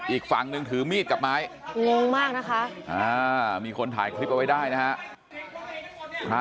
อีกฝั่งหนึ่งถือมีดกับไม้งงมากนะคะมีคนถ่ายคลิปเอาไว้ได้นะฮะ